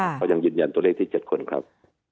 เขายังยืนยันตัวเลขที่๗คนครับ